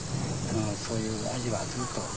そういう味はずっと。